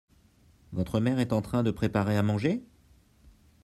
Votre mère est en train de préparer à manger ?